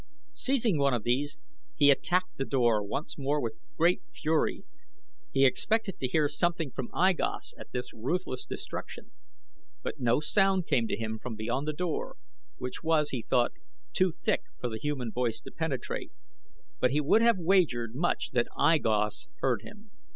Seizing one of these he attacked the door once more with great fury. He expected to hear something from I Gos at this ruthless destruction, but no sound came to him from beyond the door, which was, he thought, too thick for the human voice to penetrate; but he would have wagered much that I Gos heard him.